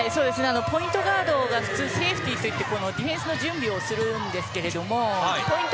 ポイントガードがセーフティーといってディフェンスの準備をするんですけどポイント